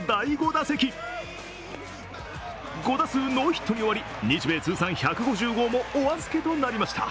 ５打数ノーヒットに終わり日米通算１５０号もお預けとなりました。